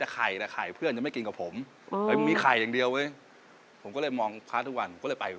ก็บอกบ้านผมติดคลองใช่ไหม